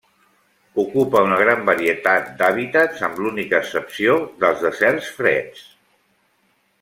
Ocupa una gran varietat d'hàbitats, amb l'única excepció dels deserts freds.